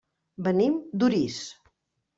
Venim d'Orís.